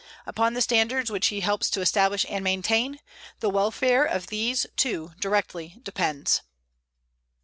Upon the standards which he helps to establish and maintain, the welfare of these, too, directly depends.